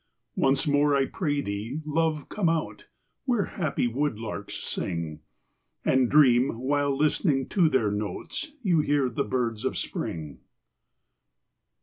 Once more, I pray thee, love, come out, Where happy woodlarks sing, And dream, while listening to their notes, You hear the birds of Spring.